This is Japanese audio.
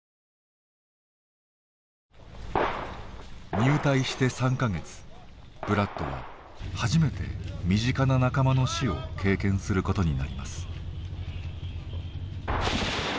入隊して３か月ブラッドは初めて身近な仲間の死を経験することになります。